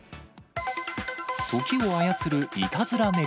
時を操るいたずら猫。